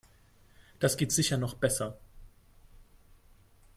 Das geht sicher noch besser.